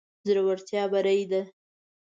زړورتيا بري ده.